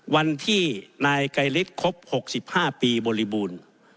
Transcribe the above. วันที่นายไกรฤทธิครบ๖๕ปีบริบูรณ์